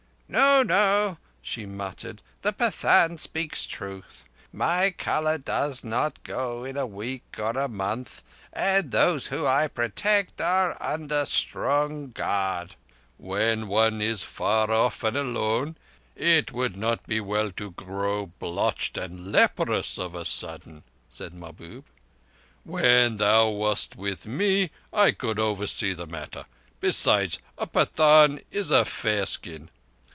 "No, no," she muttered, "the Pathan speaks truth—my colour does not go in a week or a month, and those whom I protect are under strong guard." "When one is far off and alone, it would not be well to grow blotched and leprous of a sudden," said Mahbub. "When thou wast with me I could oversee the matter. Besides, a Pathan is a fair skin.